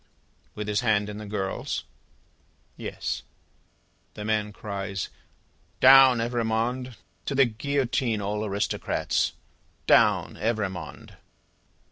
"With his hand in the girl's?" "Yes." The man cries, "Down, Evrémonde! To the Guillotine all aristocrats! Down, Evrémonde!"